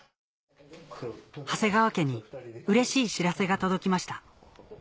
長谷川家にうれしい知らせが届きました